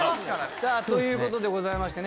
さぁということでございましてね